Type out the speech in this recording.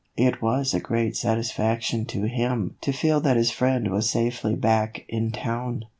It was a great satisfaction to him to feel that his friend was safely back in town.